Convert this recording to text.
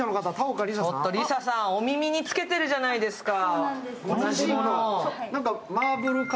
お耳につけてるじゃないですか。